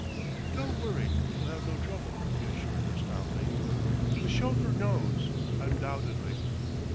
"Don't worry; we'll have no trouble," he assured her stoutly; "the chauffeur knows, undoubtedly."